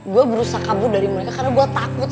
gue berusaha kabur dari mereka karena gue takut